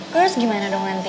terus gimana dong nanti